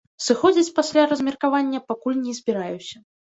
Сыходзіць пасля размеркавання пакуль не збіраюся.